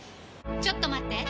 ちょっと待って！